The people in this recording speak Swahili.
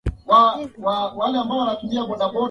Geti lao hufunguka .